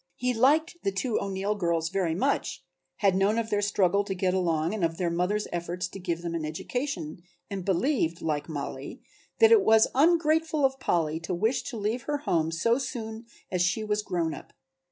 He liked the two O'Neill girls very much, had known of their struggle to get along and of their mother's efforts to give them an education, and believed, like Mollie, that it was ungrateful of Polly to wish to leave her home so soon as she was grown up.